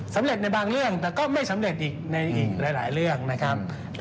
ในบางเรื่องแต่ก็ไม่สำเร็จอีกในอีกหลายเรื่องนะครับ